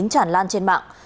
tràn lan trên mạng